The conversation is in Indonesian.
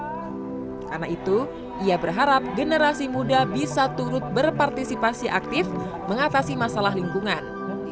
karena itu ia berharap generasi muda bisa turut berpartisipasi aktif mengatasi masalah lingkungan